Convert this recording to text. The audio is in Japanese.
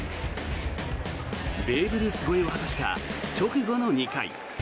ベーブ・ルース超えを果たした直後の２回。